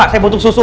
saya butuh susu